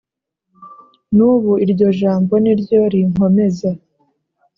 nubu iryo jambo niryo rinkomeza